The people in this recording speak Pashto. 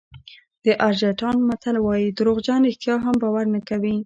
د ارجنټاین متل وایي دروغجن رښتیا هم باور نه کوي.